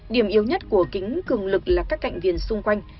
điểm yếu nhất của kính cường lực là các cạnh viền xung quanh